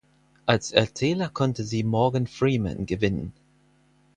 Als Erzähler konnte sie Morgan Freeman gewinnen.